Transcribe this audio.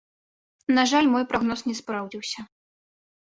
На жаль, мой прагноз не спраўдзіўся.